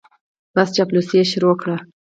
بس چاپلوسي یې شروع کړه.